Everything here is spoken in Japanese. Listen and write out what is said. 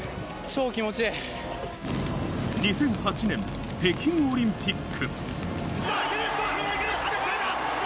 ２００８年、北京オリンピック。